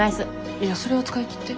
いやそれは使い切って。